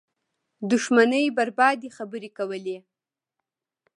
دښمنۍ بربادۍ خبرې کولې